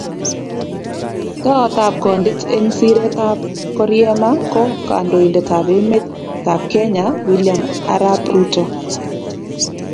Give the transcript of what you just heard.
Toot ab Kondit eng siretab koriema ko kandoindet ab emetab Kenya William Arap Ruto